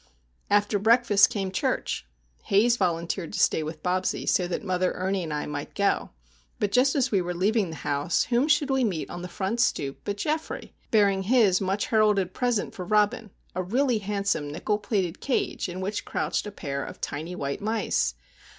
After breakfast came church. Haze volunteered to stay with Bobsie, so that mother, Ernie, and I might go. But just as we were leaving the house whom should we meet on the front stoop but Geoffrey, bearing his much heralded present for Robin,—a really handsome nickel plated cage in which crouched a pair of tiny white mice!